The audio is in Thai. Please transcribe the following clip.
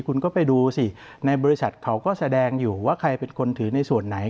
คุณก็ไปดูสิในบริษัทเขาก็แสดงอยู่ว่าใครเป็นคนถือในส่วนไหน